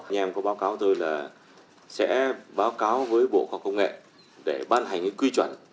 nhà em có báo cáo tôi là sẽ báo cáo với bộ học công nghệ để ban hành cái quy chuẩn